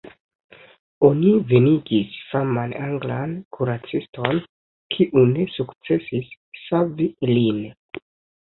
Oni venigis faman anglan kuraciston, kiu ne sukcesis savi lin.